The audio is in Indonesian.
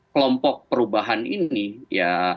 kelompok perubahan ini ya